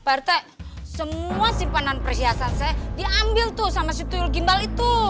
pak rt semua simpanan persiasan saya diambil tuh sama si tuyul gimbal itu